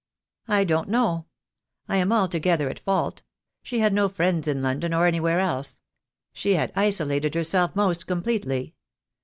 "I don't know. I am altogether at fault. She had no friends in London, or anywhere else. She had isolated herself most completely.